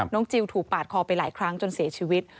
จิลถูกปาดคอไปหลายครั้งจนเสียชีวิต